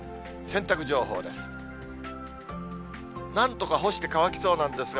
洗濯情報です。